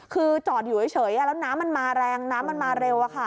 คือจอดอยู่เฉยแล้วน้ำมันมาแรงน้ำมันมาเร็ว